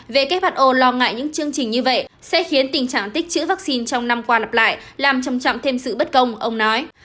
who lo ngại những chương trình như vậy sẽ khiến tình trạng tích chữ vaccine trong năm qua lặp lại làm trầm trọng thêm sự bất công ông nói